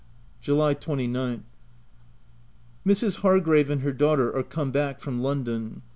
July 29th. — Mrs. Hargrave and her daughter are come back from London.